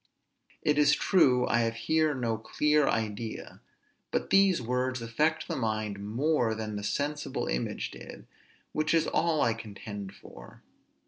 It is true, I have here no clear idea; but these words affect the mind more than the sensible image did; which is all I contend for.